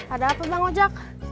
ada apa bang ojak